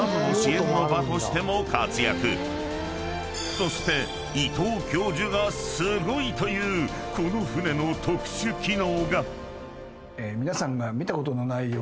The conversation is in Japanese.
［そして伊藤教授がすごいというこの艦の特殊機能が］